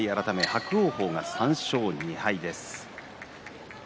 伯桜鵬が３勝２敗です。